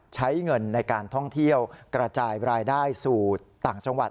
ใช้เงินในการท่องเที่ยวกระจายรายได้สู่ต่างจังหวัด